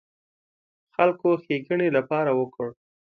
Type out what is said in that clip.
خلکو ښېګڼې لپاره وکړ.